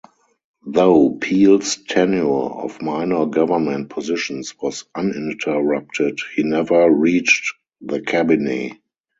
Though Peel's tenure of minor government positions was uninterrupted, he never reached the Cabinet.